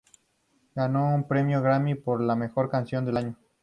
Ganó un Premio Grammy como la mejor canción del año.